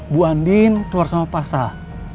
bu andin keluar sama pasar